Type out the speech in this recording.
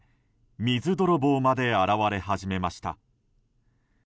水泥棒まで現れ始めました。